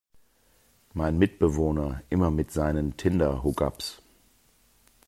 Mein Mitbewohner immer mit seinen Tinder-Hookups!